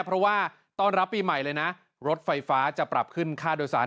เพราะว่าต้อนรับปีใหม่เลยนะรถไฟฟ้าจะปรับขึ้นค่าโดยสาร